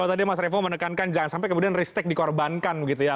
kalau tadi mas revo menekankan jangan sampai kemudian ristek dikorbankan gitu ya